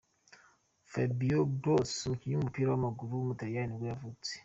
Fabio Grosso, umukinnyi w’umupira w’amaguru w’umutaliyani nibwo yavutse.